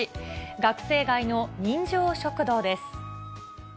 学生街の人情食堂です。